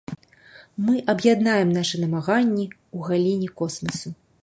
Мы аб'яднаем нашы намаганні ў галіне космасу.